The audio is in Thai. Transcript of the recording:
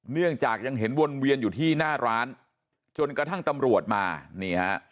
เนื่องจากยังเห็นวนเวียนอยู่ที่หน้าร้านจนกระทั่งตำรวจมานี่ฮะ